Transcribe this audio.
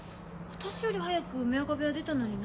私より早く梅若部屋出たのにな。